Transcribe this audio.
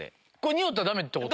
匂ったらダメってこと？